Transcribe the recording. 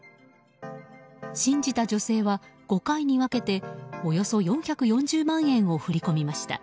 信じた女性は、５回に分けておよそ４４０万円を振り込みました。